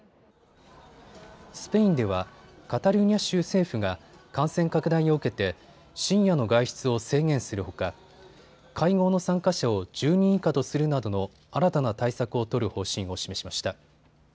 スペインではカタルーニャ州政府が感染拡大を受けて深夜の外出を制限するほか会合の参加者を１０人以下とするなどの新たな対策を取る方針を示しました。